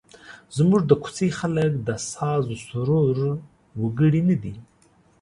زموږ د کوڅې خلک د سازوسرور وګړي نه دي.